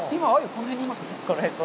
この辺にいます。